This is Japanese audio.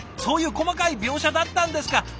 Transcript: そういう細かい描写だったんですか。